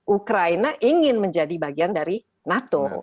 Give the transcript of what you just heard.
ukraina ingin menjadi bagian dari nato